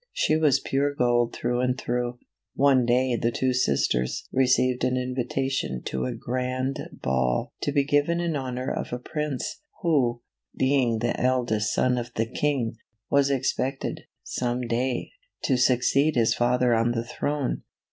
She was pure gold through and through. One day the two sisters received an invitation to a grand ball to be given in honor of a Prince, who, being the eldest CINDERELLA , OR THE LITTLE CLASS SLIPPER. son of the king, was expected, some day, to succeed his father on the throne.